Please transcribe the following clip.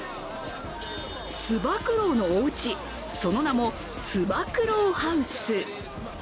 つば九郎のおうち、その名も、つば九郎ハウ巣。